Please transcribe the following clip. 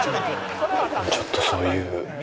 ちょっとそういう。